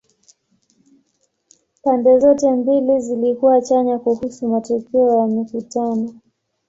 Pande zote mbili zilikuwa chanya kuhusu matokeo ya mikutano.